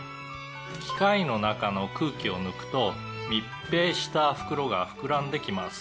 「機械の中の空気を抜くと密閉した袋が膨らんできます」